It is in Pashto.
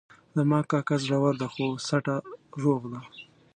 زما کاکا زوړ ده خو سټه روغ ده